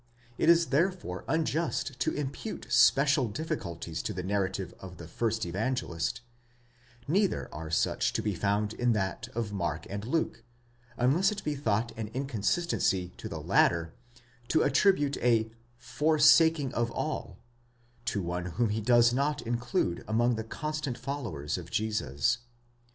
It is therefore unjust to impute special difficulties to the narrative of the first Evangelist : neither are such to be found in that of Mark and Luke, unless it be thought an inconsistency in the latter to attribute a forsaking of all, καταλιπὼν ἅπαντα, to one whom he does not include among the constant followers of Jesus.?